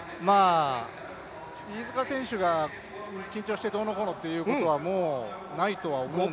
飯塚選手が緊張してどうのこうのということは、もうないと思うんですが。